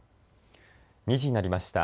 ２時になりました。